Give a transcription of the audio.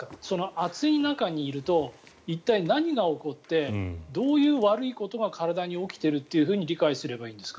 暑い中にいると一体何が起こってどういう悪いことが体に起きているっていうふうに理解すればいいんですか。